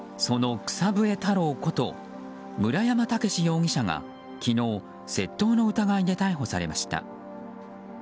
その草笛太郎こと村山猛容疑者が昨日、窃盗の疑いで逮捕されました。